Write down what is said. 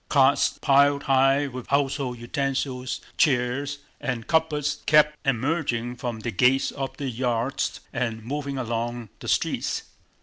Carts piled high with household utensils, chairs, and cupboards kept emerging from the gates of the yards and moving along the streets.